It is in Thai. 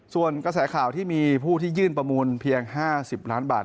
ส่วนกระแสข่าวที่มีผู้ที่ยื่นประมูลเพียง๕๐ล้านบาท